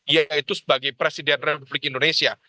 yaitu sebagai presiden republik indonesia